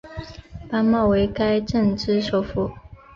班茂为该镇之首府。